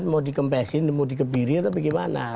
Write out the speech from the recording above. mau dikempesin mau dikebiri atau bagaimana